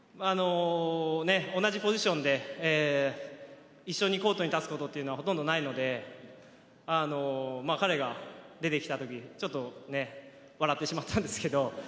同じポジションで一緒にコートに立つことはほとんどないので彼が出てきた時ちょっと笑ってしまったんですけど